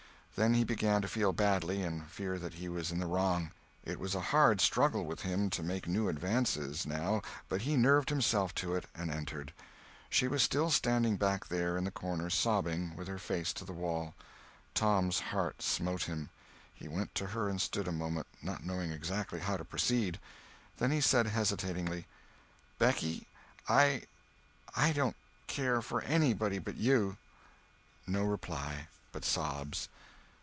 Then he began to feel badly and fear that he was in the wrong. It was a hard struggle with him to make new advances, now, but he nerved himself to it and entered. She was still standing back there in the corner, sobbing, with her face to the wall. Tom's heart smote him. He went to her and stood a moment, not knowing exactly how to proceed. Then he said hesitatingly: "Becky, I—I don't care for anybody but you." No reply—but sobs.